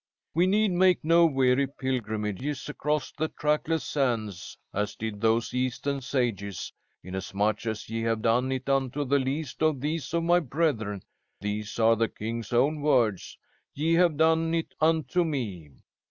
We need make no weary pilgrimages across the trackless sands, as did those Eastern sages. 'Inasmuch as ye have done it unto the least of these my brethren' (these are the King's own words), 'ye have done it unto me.'